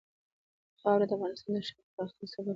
خاوره د افغانستان د ښاري پراختیا سبب کېږي.